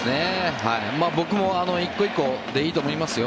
僕も１個１個でいいと思いますよ。